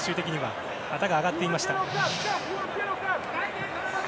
旗が上がっていました。